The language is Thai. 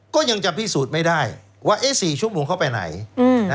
ก็ยังจะพิสูจน์ไม่ได้ว่า๔ชั่วโมงเข้าไปไหน